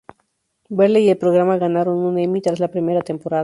Berle y el programa ganaron un Emmy tras la primera temporada.